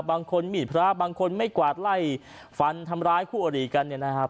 บางคนมีดพระบางคนไม่กวาดไล่ฟันทำร้ายคู่อรีกัน